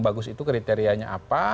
bagus itu kriterianya apa